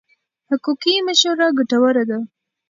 حقوقي مشوره ګټوره ده.